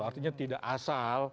artinya tidak asal